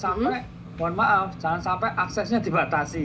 mohon maaf jangan sampai aksesnya dibatasi ya